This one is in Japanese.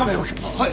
はい。